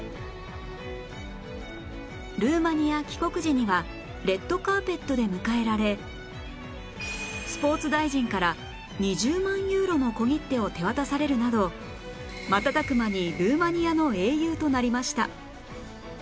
ルーマニア帰国時にはレッドカーペットで迎えられスポーツ大臣から２０万ユーロの小切手を手渡されるなど瞬く間にルーマニアの英雄となりました